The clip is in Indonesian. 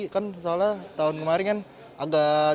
kan sholat tahun kemarin kan agak dipercaya